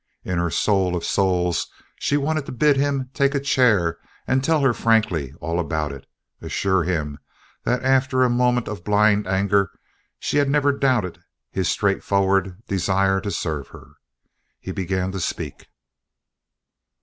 In her soul of souls she wanted to bid him take a chair and tell her frankly all about it, assure him that after a moment of blind anger she had never doubted his straightforward desire to serve her. He began to speak.